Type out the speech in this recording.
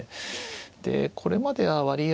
でこれまでは割合